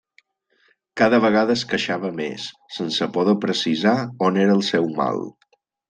Cada vegada es queixava més, sense poder precisar on era el seu mal.